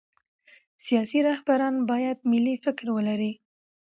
سیاسي رهبران باید ملي فکر ولري